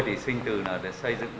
thì sinh tử là được xây dựng